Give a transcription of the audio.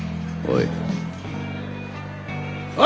おい！